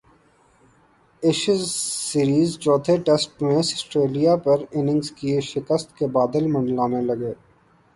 Ashes series چوتھے test میں Australia پر اننگز کی شکست کے بادل منڈلانے لگے